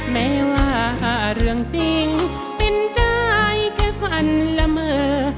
แม้ว่าเรื่องจริงเป็นได้แค่ฝันละเมอ